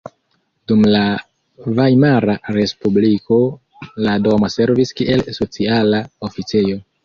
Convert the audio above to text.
Dum la Vajmara respubliko la domo servis kiel sociala oficejo.